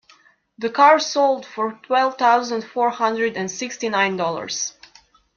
The car sold for twelve thousand four hundred and sixty nine dollars.